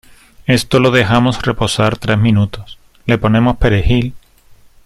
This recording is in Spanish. esto lo dejamos reposar tres minutos, le ponemos perejil ,